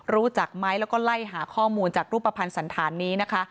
รู้จักไหมแล้วก็ไล่หาข้อมูลจากรูปภัณฑ์สันธารนี้นะคะ